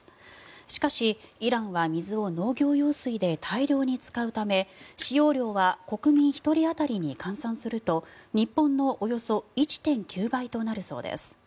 しかし、イランは水を農業用水で大量に使うため、使用量は国民１人当たりに換算すると日本のおよそ１．９倍となるそうです。